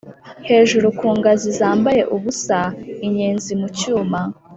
hejuru ku ngazi zambaye ubusa, inyenzi mu cyuma,